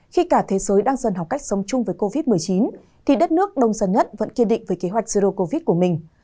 khi cả thế giới đang dần học cách sống chung với covid một mươi chín thì đất nước đông dân nhất vẫn kiên định với kế hoạch zero covid của mình